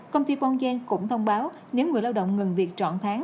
công ty quang giang cũng thông báo nếu người lao động ngừng việc trọn tháng